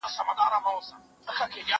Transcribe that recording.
زه اوس لوبه کوم،